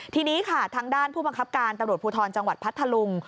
ทีนี้ค่ะทางด้านผู้บังคับการตำรวจภูทรจังหวัดพัทธลุง